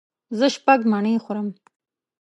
زه شپږ مڼې خورم.